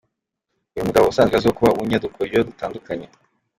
Uyu mugabo usanzwe azwiho kuba umunyadukoryo dutandukanye.